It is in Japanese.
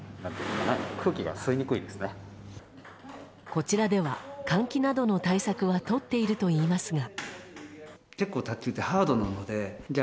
こちらでは、換気などの対策は取っているといいますが。